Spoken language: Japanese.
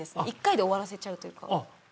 一回で終わらせちゃうというか。